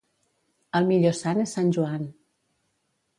El millor sant és sant Joan.